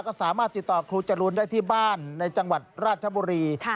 ก็สามารถติดต่อครูจรูนได้ที่บ้านในจังหวัดราชบุรี